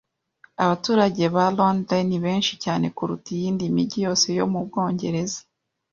Abaturage ba Londres ni benshi cyane kuruta iyindi mijyi yose yo mu Bwongereza